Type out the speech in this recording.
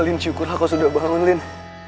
alina syukur aku sudah bangun lin